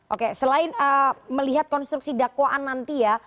oke selain melihat konstruksi dakwaan nanti ya